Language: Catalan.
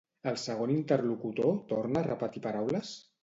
El segon interlocutor torna a repetir paraules?